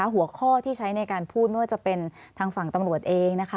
หัวข้อที่ใช้ในการพูดไม่ว่าจะเป็นทางฝั่งตำรวจเองนะคะ